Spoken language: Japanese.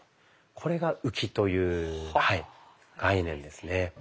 これが「浮き」という概念ですね。